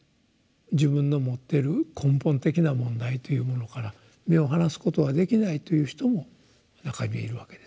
自分の持ってる根本的な問題というものから目を離すことはできないという人も中にはいるわけです。